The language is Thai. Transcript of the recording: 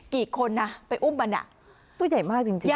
กี่คนไปอุ้มมันยาวกับ๔เมตรค่ะโอ้โหตู้ใหญ่มากจริง